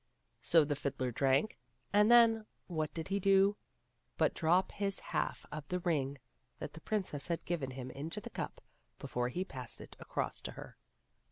So the fiddler drank, and then what did he do but drop his half of the ring that the princess had given him into the cup, before he passed it across to her.